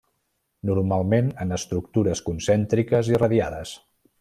Normalment en estructures concèntriques i radiades.